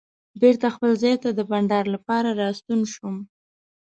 بېرته خپل ځای ته د بانډار لپاره راستون شوم.